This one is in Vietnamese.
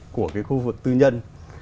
của cái khu vực tư nhân